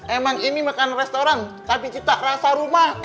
emang ini makan restoran tapi cita rasa rumah